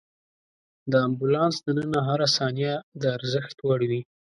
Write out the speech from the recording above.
د امبولانس دننه هره ثانیه د ارزښت وړ وي.